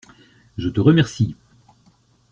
Je te remercie.